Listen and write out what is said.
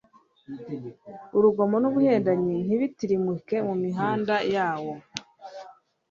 urugomo n'ubuhendanyi ntibitirimuke mu mihanda yawo